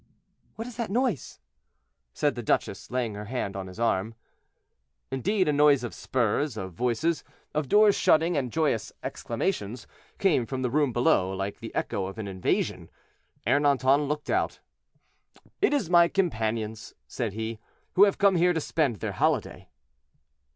"What is that noise?" said the duchess, laying her hand on his arm. Indeed, a noise of spurs, of voices, of doors shutting, and joyous exclamations, came from the room below, like the echo of an invasion. Ernanton looked out. "It is my companions," said he, "who have come here to spend their holiday."